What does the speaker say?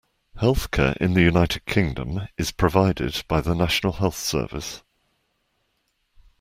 Healthcare in the United Kingdom is provided by the National Health Service